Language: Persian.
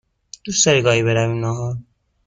دوست داری گاهی برویم نهار؟